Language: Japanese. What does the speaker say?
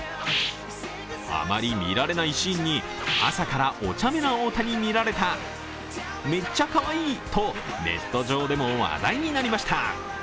あまり見られないシーンに、朝からお茶目な大谷見られた、めっちゃかわいいと、ネット上でも話題になりました。